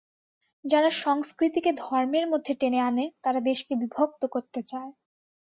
যারা সংস্কৃতিকে ধর্মের মধ্যে টেনে আনে, তারা দেশকে বিভক্ত করতে চায়।